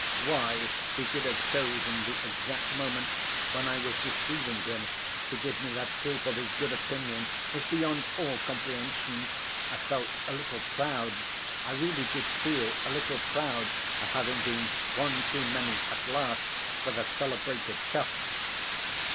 (Why he should have chosen the exact moment when I was deceiving him to give me that proof of his good opinion, is beyond all comprehension! I felt a little proud—I really did feel a little proud of having been one too many at last for the celebrated Cuff!)